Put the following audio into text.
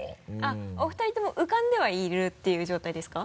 お二人とも浮かんではいるていう状態ですか？